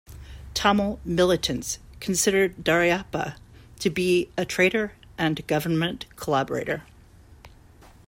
Tamil militants considered Duraiappah to be a traitor and government collaborator.